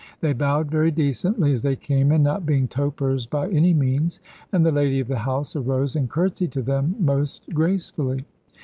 They bowed very decently, as they came in, not being topers by any means: and the lady of the house arose and curtsied to them most gracefully.